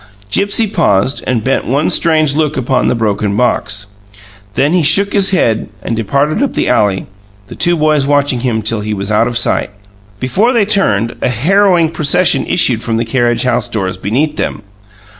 Gipsy paused and bent one strange look upon the broken box. Then he shook his head and departed up the alley, the two boys watching him till he was out of sight. Before they turned, a harrowing procession issued from the carriage house doors beneath them.